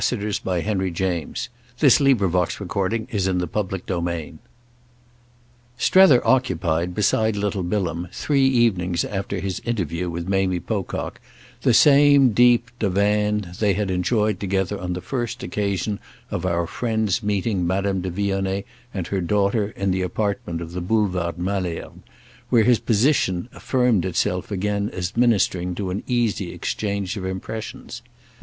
And he left her, in her splendour, still waiting for little Bilham. Book Tenth I Strether occupied beside little Bilham, three evenings after his interview with Mamie Pocock, the same deep divan they had enjoyed together on the first occasion of our friend's meeting Madame de Vionnet and her daughter in the apartment of the Boulevard Malesherbes, where his position affirmed itself again as ministering to an easy exchange of impressions.